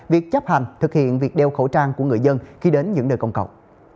việc chấp hành thực hiện việc đeo khẩu trang của người dân khi đến những nơi công cộng